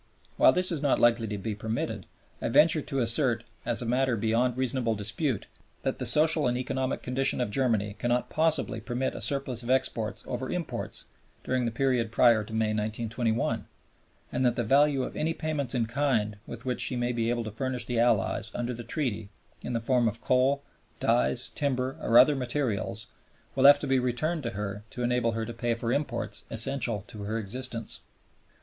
While this is not likely to be permitted, I venture to assert as a matter beyond reasonable dispute that the social and economic condition of Germany cannot possibly permit a surplus of exports over imports during the period prior to May, 1921, and that the value of any payments in kind with which she may be able to furnish the Allies under the Treaty in the form of coal, dyes, timber, or other materials will have to be returned to her to enable her to pay for imports essential to her existence.